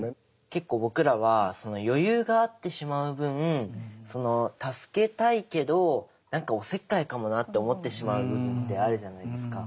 結構僕らは余裕があってしまう分助けたいけどなんかおせっかいかもなって思ってしまう部分ってあるじゃないですか。